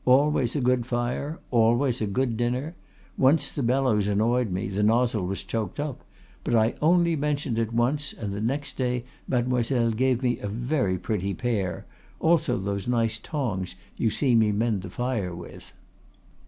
Always a good fire, always a good dinner. Once the bellows annoyed me, the nozzle was choked up; but I only mentioned it once, and the next day Mademoiselle gave me a very pretty pair, also those nice tongs you see me mend the fire with."